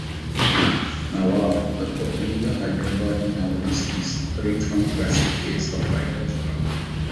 Nawab, a popular Hyderabadi novelist, is suffering from a classic case of writer's block.